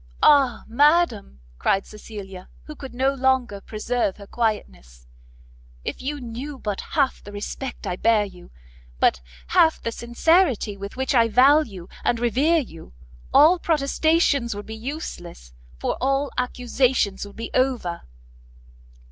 "Ah madam!" cried Cecilia, who could no longer preserve her quietness, "if you knew but half the respect I bear you, but half the sincerity with which I value and revere you, all protestations would be useless, for all accusations would be over!"